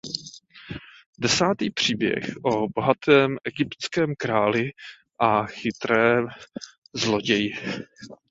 Desátý příběh o bohatém egyptském králi a chytré zloději.